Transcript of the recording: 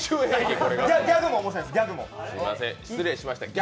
ギャグも面白いんです。